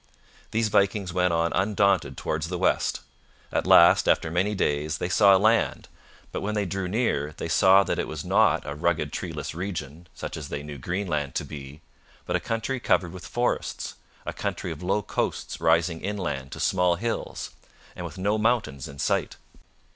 These Vikings went on undaunted towards the west. At last, after many days, they saw land, but when they drew near they saw that it was not a rugged treeless region, such as they knew Greenland to be, but a country covered with forests, a country of low coasts rising inland to small hills, and with no mountains in sight.